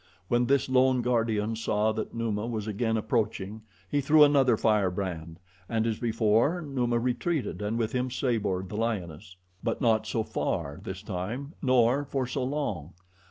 When this lone guardian saw that Numa was again approaching, he threw another firebrand, and, as before, Numa retreated and with him Sabor, the lioness; but not so far, this time, nor for so long.